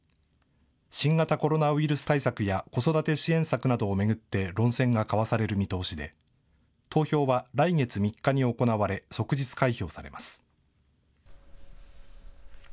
新型コロナウイルス対策や、子育て支援策などを巡って論戦が交わされる見通しで投票は来月３日に行われ、即日開票されます。